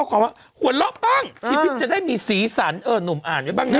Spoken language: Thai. หวัดละบ้างชีวิตจะได้มีสีสันเออหนุ่มอ่านไว้บ้างไง